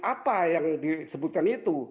apa yang disebutkan itu